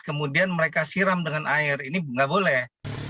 kemudian mereka siram dengan air ini nggak boleh